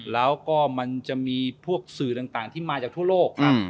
แล้วก็มันจะมีพวกสื่อต่างที่มาจากทั่วโลกครับ